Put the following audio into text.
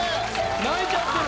泣いちゃってる。